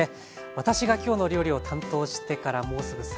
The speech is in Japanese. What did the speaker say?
私が「きょうの料理」を担当してからもうすぐ３か月になります。